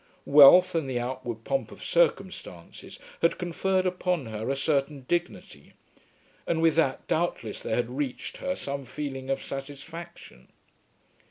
Wealth and the outward pomp of circumstances had conferred upon her a certain dignity; and with that doubtless there had reached her some feeling of satisfaction.